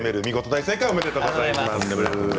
大正解おめでとうございます。